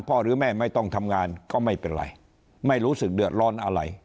หรือแม่ไม่ต้องทำงานก็ไม่เป็นไรไม่รู้สึกเดือดร้อนอะไร